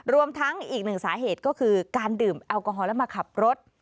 รวมทั้งอีกหนึ่งสาเหตุก็คือการดื่มแอลกอฮอลแล้วมาขับรถ